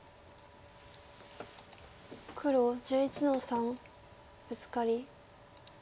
黒１１の三ブツカリ。